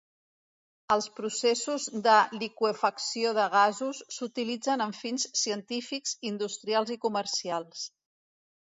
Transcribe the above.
Els processos de liqüefacció de gasos s'utilitzen amb fins científics, industrials i comercials.